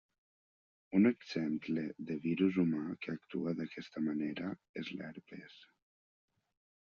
Un exemple de virus humà que actua d'aquesta manera, és l'herpes.